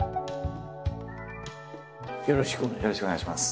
よろしくお願いします。